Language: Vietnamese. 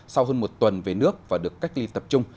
sau hơn một tuần về nước và được cách ly tập trung